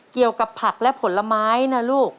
เกี่ยวกับผักและผลไม้นะลูก